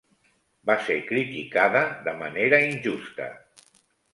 Va ser criticada de manera injusta